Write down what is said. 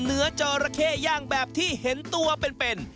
จอระเข้ย่างแบบที่เห็นตัวเป็น